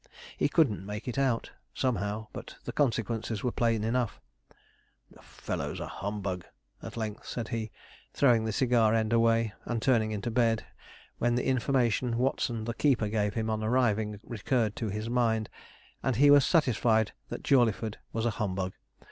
He couldn't make it out, somehow; but the consequences were plain enough. 'The fellow's a humbug,' at length said he, throwing the cigar end away, and turning into bed, when the information Watson the keeper gave him on arriving recurred to his mind, and he was satisfied that Jawleyford was a humbug.